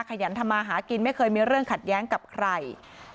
ขยันทำมาหากินไม่เคยมีเรื่องขัดแย้งกับใคร